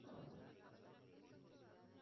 Forma parte de Qantas desde hace unos doce años.